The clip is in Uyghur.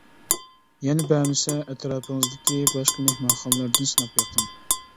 يەنە بەرمىسە ئەتراپىڭىزدىكى باشقا مېھمانخانىلاردىن سىناپ بېقىڭ.